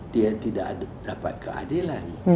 dia tidak dapat keadilan